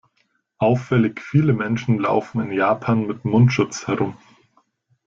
Auffällig viele Menschen laufen in Japan mit Mundschutz herum.